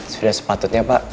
sudah sepatutnya pak